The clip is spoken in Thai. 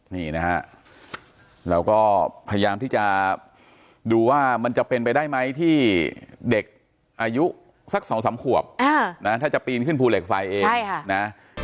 นี่นะฮะเราก็พยายามที่จะดูว่ามันจะเป็นไปได้ไหมที่เด็กอายุสัก๒๓ขวบนะถ้าจะปีนขึ้นภูเหล็กไฟเองใช่ค่ะนะ